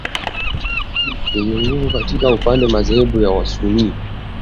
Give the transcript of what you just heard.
yenye nguvu katika upande madhehebu ya wasunni